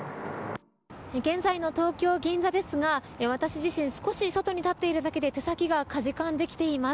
現在の東京、銀座ですが私自身少し外に立っているだけで手先がかじかんできています。